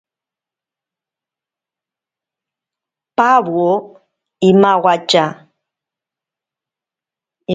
Pawo imawatya.